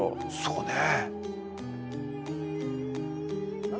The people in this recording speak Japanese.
そうね。